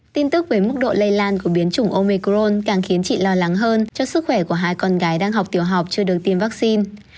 tin tức về mức độ lây lan của biến chủng omicron càng khiến chị lo lắng hơn cho sức khỏe của hai con gái đang học tiểu học chưa được tiêm vaccine